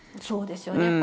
そうですよね。